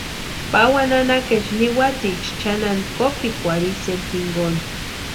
Pawani nanakaecha niwatiksï chʼanani kopikwarhu Isela jinkoni.